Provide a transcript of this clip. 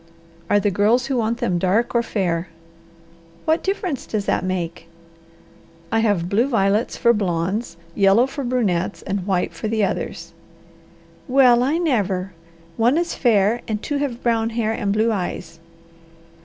"Are the girls who want them dark or fair?" "What difference does that make?" "I have blue violets for blondes, yellow for brunettes, and white for the others." "Well I never! One is fair, and two have brown hair and blue eyes."